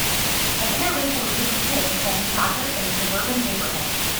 An inter racial group of kids playing soccer in a suburban neighborhood.